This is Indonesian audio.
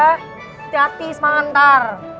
hati hati sama ntar